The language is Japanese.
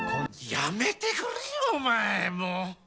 やめてくれよ、お前もう。